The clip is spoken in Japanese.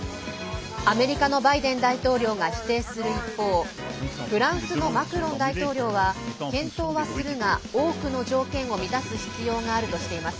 アメリカのバイデン大統領が否定する一方フランスのマクロン大統領は検討はするが多くの条件を満たす必要があるとしています。